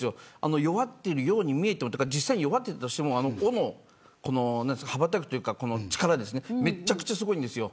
弱っているように見えても実際、弱っていたとしても羽ばたく力というかめちゃくちゃすごいんですよ。